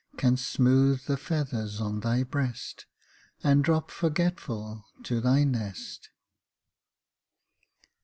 Canst smooth the feathers on thy breast, And drop, forgetful, to thy nest.